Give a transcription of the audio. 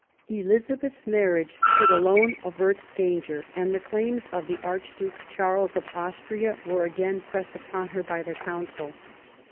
Elizabeth's marriage could alone avert danger, and the claims of the Archduke Charles of Austria were again pressed upon her by the Council.